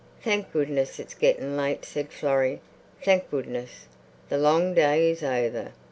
"Thank goodness, it's getting late," said Florrie. "Thank goodness, the long day is over."